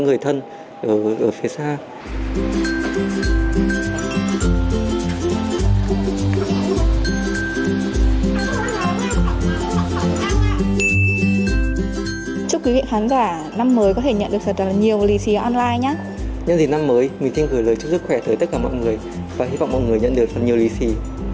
nhân dịp năm mới mình xin gửi lời chúc sức khỏe tới tất cả mọi người và hy vọng mọi người nhận được rất nhiều lì xì